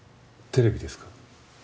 テレビですか？